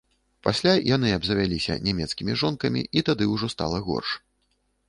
Пасля яны абзавяліся нямецкімі жонкамі, і тады ўжо стала горш.